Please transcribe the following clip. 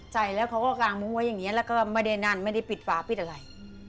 ใส่แล้วเขาก็กางมุ้งไว้อย่างนี้แล้วก็ไม่ได้นั่นไม่ได้ปิดฝาปิดอะไร